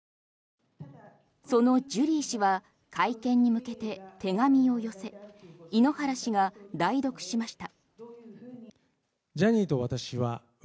そのジュリー氏は会見に向けて手紙を寄せ井ノ原氏が代読しました。